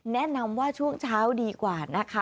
แนะนำว่าช่วงเช้าดีกว่านะคะ